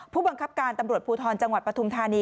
ผู้บังคับการตำรวจภูทรจังหวัดปฐุมธานี